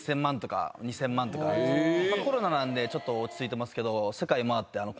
コロナなんでちょっと落ち着いてますけど。